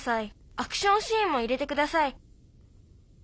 「アクションシーンも入れてください」。